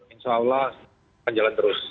insya allah akan jalan terus